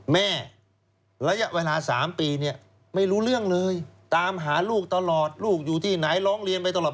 ระยะเวลา๓ปีเนี่ยไม่รู้เรื่องเลยตามหาลูกตลอดลูกอยู่ที่ไหนร้องเรียนไปตลอด